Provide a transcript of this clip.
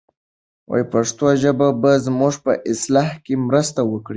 پښتو ژبه به زموږ په اصلاح کې مرسته وکړي.